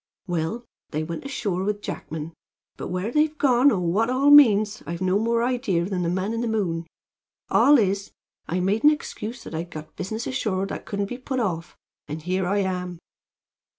Well, they went ashore with Jackman, but where they've gone or what it all means I've no more idea than the man in the moon. All is, I made an excuse that I'd got business ashore that couldn't be put off, and here I am."